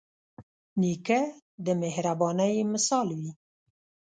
نیکه د مهربانۍ مثال وي.